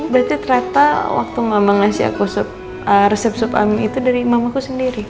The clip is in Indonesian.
berarti ternyata waktu mama ngasih aku resep sup ami itu dari mamaku sendiri